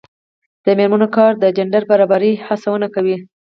د میرمنو کار د جنډر برابرۍ هڅونه کوي.